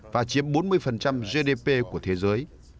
và chiếm bốn mươi gdp của thế giới